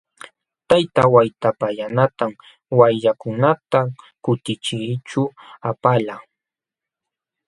Tayta Waytapallanatam wayukunata kutichiyćhu apalqaa.